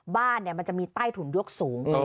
บ้านมันจะมีใต้ถุนด้วยสูง